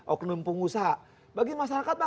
oknum pengusaha bagi masyarakat